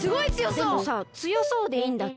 でもさつよそうでいいんだっけ。